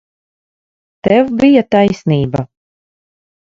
Tev bija taisnība.